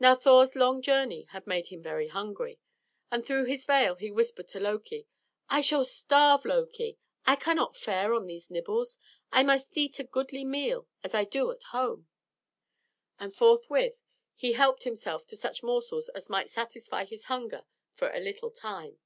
Now Thor's long journey had made him very hungry, and through his veil he whispered to Loki, "I shall starve, Loki! I cannot fare on these nibbles. I must eat a goodly meal as I do at home." And forthwith he helped himself to such morsels as might satisfy his hunger for a little time.